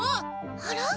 あら？